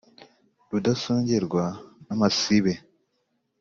Rudasongerwa n’ amasibe